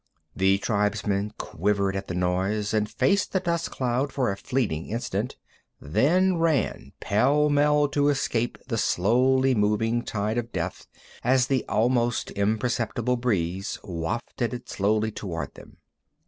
The tribesmen quivered at the noise and faced the dust cloud for a fleeting instant, then ran pell mell to escape the slowly moving tide of death as the almost imperceptible breeze wafted it slowly toward them.